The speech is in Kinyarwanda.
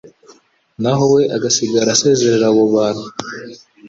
naho we agasigara asezerera abo bantu.